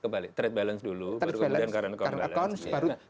kebalik mas trade balance dulu baru current account balance